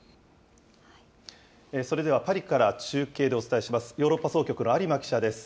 それではパリから中継でお伝えします。